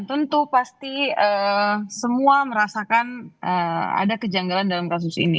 tentu pasti semua merasakan ada kejanggalan dalam kasus ini